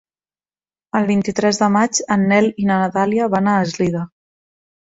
El vint-i-tres de maig en Nel i na Dàlia van a Eslida.